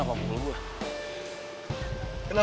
gak mau great nya